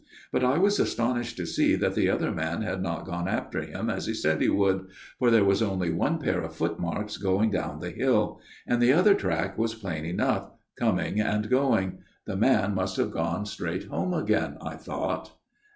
But I was astonished to see that the other man had not gone after him as he said he would ; for there was only one pair of footmarks going down the hill ; and the other track was plain enough, coming and going. The man must have gone straight home again, I thought.